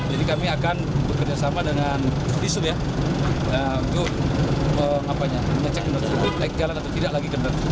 jadi kami akan bekerjasama dengan bisnis untuk mengecek jalan atau tidak lagi